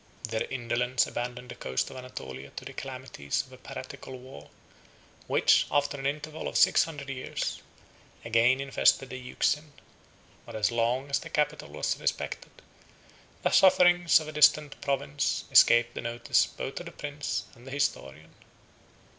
Their indolence abandoned the coast of Anatolia to the calamities of a piratical war, which, after an interval of six hundred years, again infested the Euxine; but as long as the capital was respected, the sufferings of a distant province escaped the notice both of the prince and the historian.